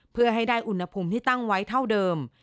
เพื่อให้ได้อุณหภูมิที่ตั้งไว้เท่าเดิม